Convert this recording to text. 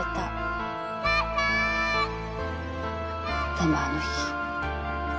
でもあの日。